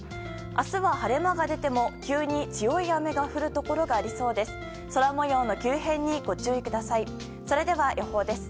明日は、晴れ間が出ても急に強い雨が降るところがありそうです。